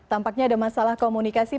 tampaknya ada masalah komunikasi